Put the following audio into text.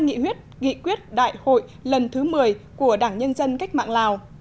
nghị quyết nghị quyết đại hội lần thứ một mươi của đảng nhân dân cách mạng lào